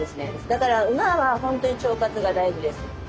だから馬は本当に腸活が大事です。